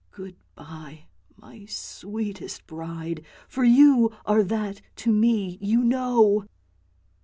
Good bye, my sweetest bride, for you are that to me, you know!